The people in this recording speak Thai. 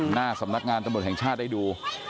หน้าสำนักงานตำรวจแห่งชาติได้ดู